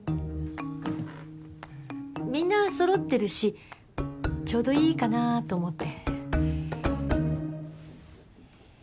みんな揃ってるしちょうどいいかなと思って。